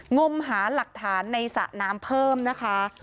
งมหาหลักฐานในสระน้ำเพิ่มนะคะ